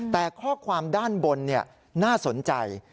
แต่ข้อความด้านบนน่าสนใจ